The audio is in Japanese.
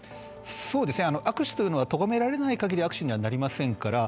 悪手というのはとがめられないかぎり悪手にはなりませんから。